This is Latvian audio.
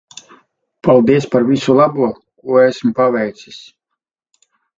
Paldies par visu labo ko esmu paveicis.